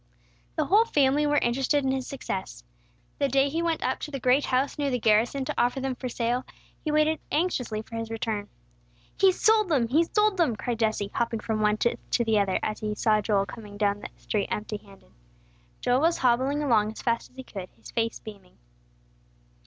The whole family were interested in his success. The day he went up to the great house near the garrison to offer them for sale, they waited anxiously for his return. "He's sold them! He's sold them!" cried Jesse, hopping from one foot to the other, as he saw Joel coming down the street empty handed. Joel was hobbling along as fast as he could, his face beaming.